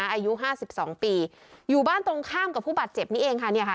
อายุห้าสิบสองปีอยู่บ้านตรงข้ามกับผู้บาดเจ็บนี้เองค่ะเนี่ยค่ะ